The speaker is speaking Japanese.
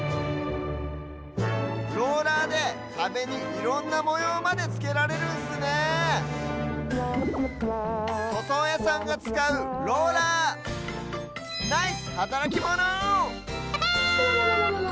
ローラーでかべにいろんなもようまでつけられるんすね！とそうやさんがつかう「ローラー」ナイスはたらきモノ！